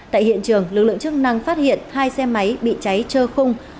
tại hiện trường lực lượng chức năng phát hiện hai xe máy bị cháy trơ khung